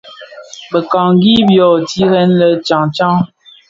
Bekangi byo tired lè tyaň tyaň.